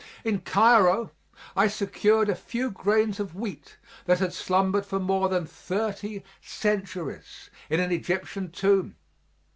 In Cairo I secured a few grains of wheat that had slumbered for more than thirty centuries in an Egyptian tomb.